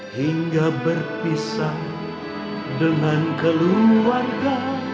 hingga berpisah dengan keluarga